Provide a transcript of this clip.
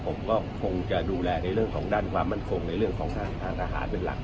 ผมก็คงจะดูแลในเรื่องของด้านความมั่นคงในเรื่องของสถานการณ์ทหารเป็นหลัก